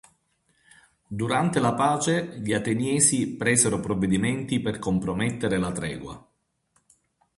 Durante la pace gli Ateniesi presero provvedimenti per compromettere la tregua.